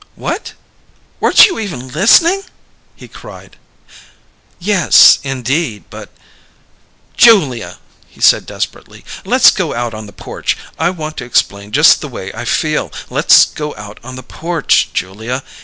"What?" "Weren't you even listening?" he cried. "Yes, indeed, but " "Julia," he said desperately, "let's go out on the porch. I want to explain just the way I feel. Let's go out on the porch, Julia.